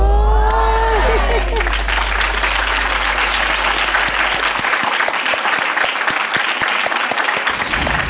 สุเทพวงกำแหงตรวินราวที่๑นะครับ